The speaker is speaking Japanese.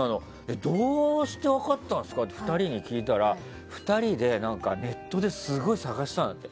どうして分かったんですかって２人に聞いたら２人で、ネットですごい探したんだって。